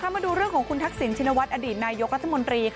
มาดูเรื่องของคุณทักษิณชินวัฒนอดีตนายกรัฐมนตรี